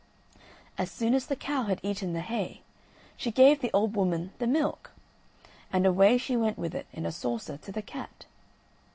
As soon as the cow had eaten the hay, she gave the old woman the milk; and away she went with it in a saucer to the cat.